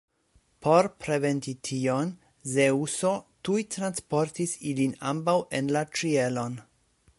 Por preventi tion, Zeŭso tuj transportis ilin ambaŭ en la ĉielon.